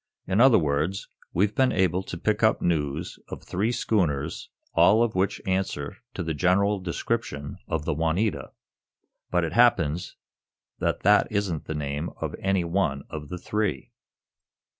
"In other words, we've been able to pick up news of three schooners, all of which answer to the general description of the 'Juanita' but it happens that that isn't the name of any one of the three."